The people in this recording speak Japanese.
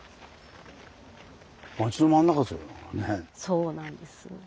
そうなんです。